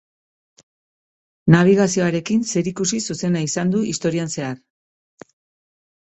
Nabigazioarekin zerikusi zuzena izan du historian zehar.